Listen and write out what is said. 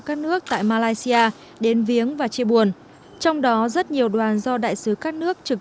các nước tại malaysia đến viếng và chia buồn trong đó rất nhiều đoàn do đại sứ các nước trực